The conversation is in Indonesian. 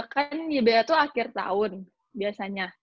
kan yba itu akhir tahun biasanya